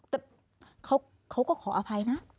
แต่เขาก็ขออภัยนะ